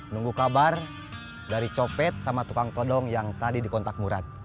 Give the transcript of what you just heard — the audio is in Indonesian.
nunggu kabar dari copet sama tukang todong yang tadi dikontak murak